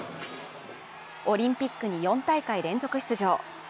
オリンピックに４大会連続出場。